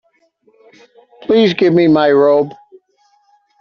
Please give me my robe.